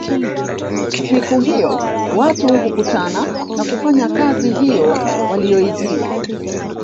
Siku hiyo watu hukutana na kufanya kazi hiyo waliyoitiwa